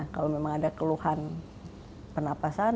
kalau memang ada keluhan penapasan